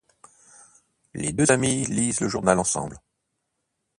Les deux amis lisent le journal ensemble.